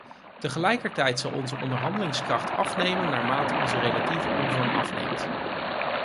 Tegelijkertijd zal onze onderhandelingskracht afnemen naarmate onze relatieve omvang afneemt.